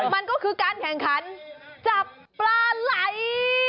มันก็คือการแข่งขันจับปลาไหล